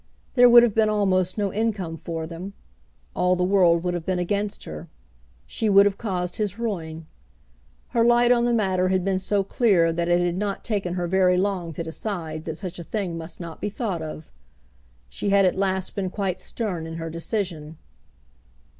There would have been almost no income for them. All the world would have been against her. She would have caused his ruin. Her light on the matter had been so clear that it had not taken her very long to decide that such a thing must not be thought of. She had at last been quite stern in her decision.